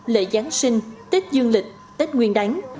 lễ giáng sinh tết dương lịch tết nguyên đánh